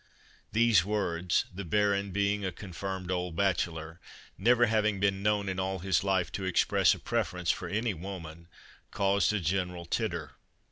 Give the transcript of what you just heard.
These words, the Baron being a confirmed old bachelor, never having been known in all his life to express a preference for any woman, caused a general titter.